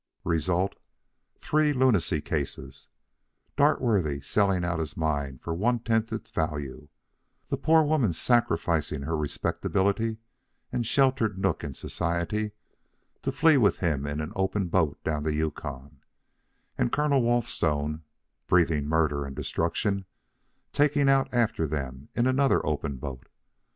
Result, three lunacy cases: Dartworthy selling out his mine for one tenth its value; the poor woman sacrificing her respectability and sheltered nook in society to flee with him in an open boat down the Yukon; and Colonel Walthstone, breathing murder and destruction, taking out after them in another open boat.